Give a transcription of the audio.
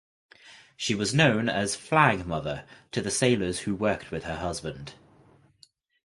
She was known as "Flag Mother" to the sailors who worked with her husband.